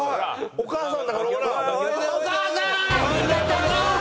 お母さん。